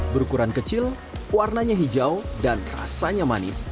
berukuran kecil warnanya hijau dan rasanya manis